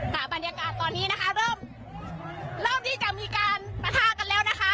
บรรยากาศตอนนี้นะคะเริ่มเริ่มที่จะมีการประทะกันแล้วนะคะ